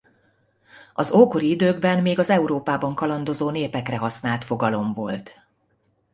Az ókori időkben még az Európában kalandozó népekre használt fogalom volt.